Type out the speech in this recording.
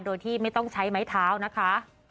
โดยที่ไม่ต้องใช้ไม้เท้านะคะ